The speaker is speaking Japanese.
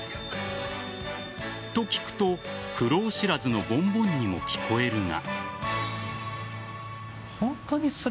と、聞くと苦労知らずのボンボンにも聞こえるが。